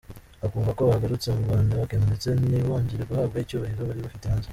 Akumva ko bagarutse mu Rwanda bakena ndetse ntibongere guhabwa icyubahiro bari bafite hanze.